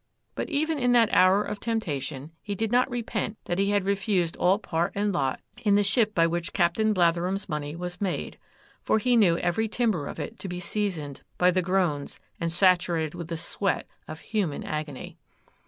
But even in that hour of temptation he did not repent that he had refused all part and lot in the ship by which Captain Blatherem's money was made, for he knew every timber of it to be seasoned by the groans and saturated with the sweat of human agony.